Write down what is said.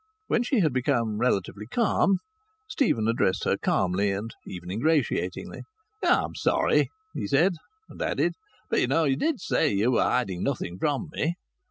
When she had become relatively calm Stephen addressed her calmly, and even ingratiatingly. "I'm sorry," he said, and added, "but you know you did say that you were hiding nothing from me."